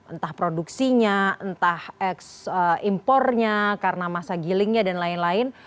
entah produksinya entah ekspor impornya karena masa gilingnya dan lain lain